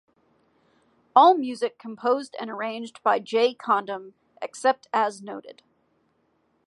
All music composed and arranged by Jay Condom except as noted.